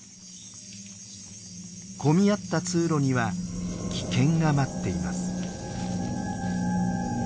混み合った通路には危険が待っています。